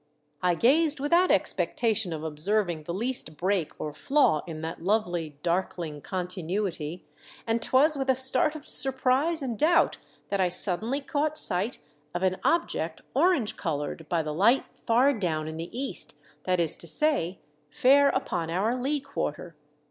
I gazed without expectation of observing the least break or flaw in that lovely, darkling con tinuity, and 'twas with a start of surprise and doubt that I suddenly caught sight of an object orange coloured by the light far down in the east, that is to say, fair upon our lee quarter.